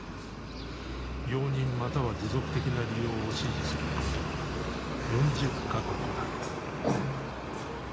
容認または持続的な利用を支持する国は４０か国だ。